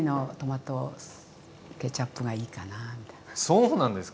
そうなんですか？